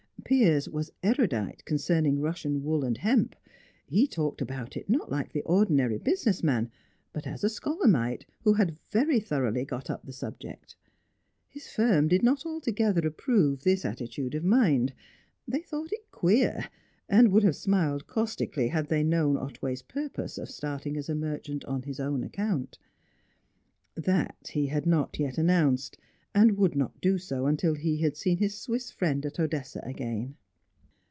Piers was erudite concerning Russian wool and hemp. He talked about it not like the ordinary business man, but as a scholar might who had very thoroughly got up the subject. His firm did not altogether approve this attitude of mind; they thought it queer, and would have smiled caustically had they known Otway's purpose of starting as a merchant on his own account. That, he had not yet announced, and would not do so until he had seen his Swiss friend at Odessa again.